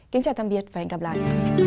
kính chào tạm biệt và hẹn gặp lại